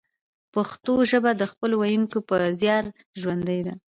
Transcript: پښتو ژبه د خپلو ویونکو په زیار ژوندۍ ده